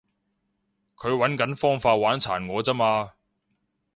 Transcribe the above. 佢搵緊方法玩殘我咋嘛